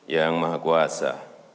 yang maha kuasa